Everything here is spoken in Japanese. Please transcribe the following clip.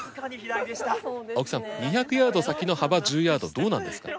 青木さん２００ヤード先の幅１０ヤードどうなんですか？